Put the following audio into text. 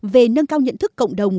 về nâng cao nhận thức cộng đồng